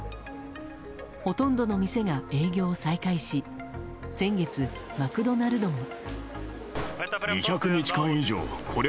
ほとんどの店が営業を再開し先月、マクドナルドも。